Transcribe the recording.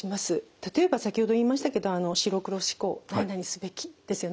例えば先ほど言いましたけど白黒思考何々すべきですよね。